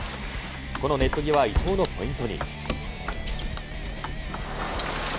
このネット際は伊藤のポイントに。